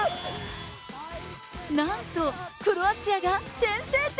なんと、クロアチアが先制点。